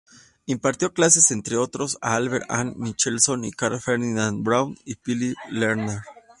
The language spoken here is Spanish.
Impartió clases, entre otros, a Albert A. Michelson, Carl Ferdinand Braun y Philipp Lenard.